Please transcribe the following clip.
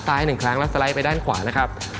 หนึ่งครั้งแล้วสไลด์ไปด้านขวานะครับ